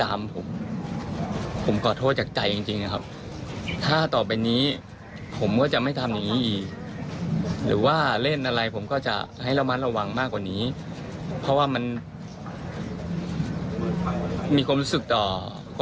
อาจารย์ลองฟังดูก่อนแล้วเดี๋ยวเรากลับมาค่ะ